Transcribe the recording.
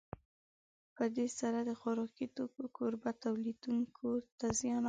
په دې سره د خوراکي توکو کوربه تولیدوونکو ته زیان اړوي.